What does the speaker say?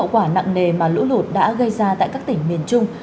hậu quả nặng nề mà lũ lụt đã gây ra tại các tỉnh miền trung